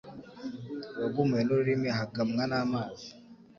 Uwagumiwe n’ururimi ahagamwa n’amazi